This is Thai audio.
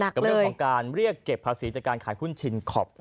กับเรื่องของการเรียกเก็บภาษีจากการขายหุ้นชินคอป